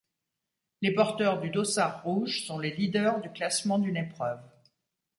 Les porteurs du dossard rouge sont les leaders du classement d'une épreuve.